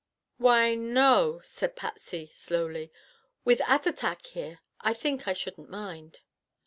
"Why, no," said Patsy slowly, "with Attatak here I think I shouldn't mind."